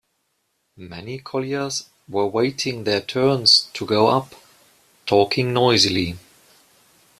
Many colliers were waiting their turns to go up, talking noisily.